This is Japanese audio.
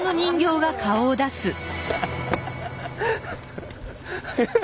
ハハハハ！